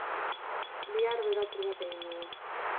Bihar bero apur bat egingo du.